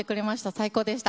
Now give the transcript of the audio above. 最高でした。